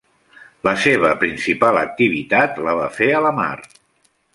La seva principal activitat la va fer a la mar.